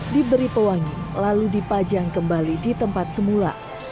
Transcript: diberi pewangi lalu dipajang kembali di tempat semula